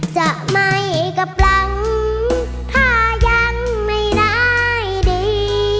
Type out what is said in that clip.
จะไม่กลับหลังถ้ายังไม่ได้ดี